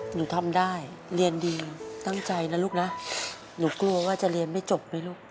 หนูทำได้เรียนดีตั้งใจนะลูกนะหนูกลัวว่าจะเรียนไม่จบด้วยลูก